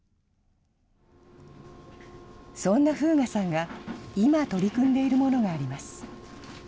そんな風雅さんが、今取り組んでいるものがあります。